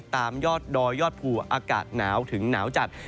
ตามยอดดอยยอดภูอากาศหนาวถึงหนาวจัด